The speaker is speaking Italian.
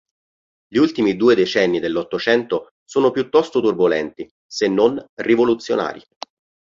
Gli ultimi due decenni dell'Ottocento sono piuttosto turbolenti, se non rivoluzionari.